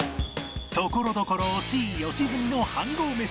ところどころ惜しい良純の飯ごうメシ